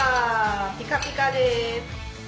ピカピカです。